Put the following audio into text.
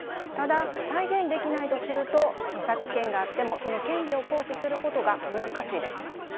ただ再現できないとすると著作権があってもその権利を行使することが難しいです。